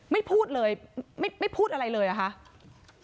ไม่พูดเลยไม่พูดอะไรเลยเหรอคะ